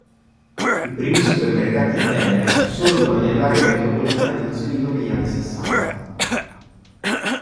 I primi supermercati Denner sorgono nell'area metropolitana di Zurigo negli anni sessanta.